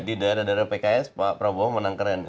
di daerah daerah pks pak prabowo menang keren